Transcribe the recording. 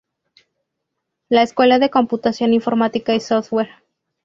La Escuela de Computación Informática y Software.